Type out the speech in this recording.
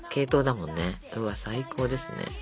うわっ最高ですね。